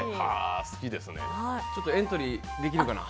ちょっとエントリーできるかな。